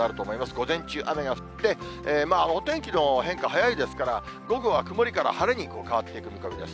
午前中、雨が降って、お天気の変化、早いですから、午後は曇りから晴れに変わっていく見込みです。